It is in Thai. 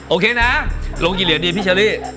โอเคนะลงกี่เหรียญดีพี่เชอรี่